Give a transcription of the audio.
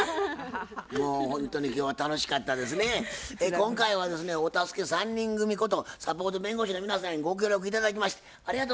今回はですねお助け３人組ことサポート弁護士の皆さんにご協力頂きました。